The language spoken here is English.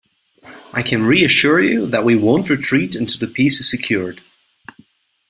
I can reassure you, that we won't retreat until the peace is secured.